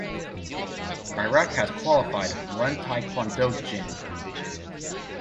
Iraq has qualified one taekwondo jin.